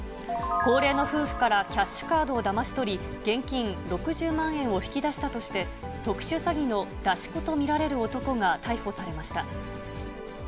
高齢の夫婦からキャッシュカードをだまし取り、現金６０万円を引き出したとして、特殊詐欺の出し子と見られる男が逮捕されました。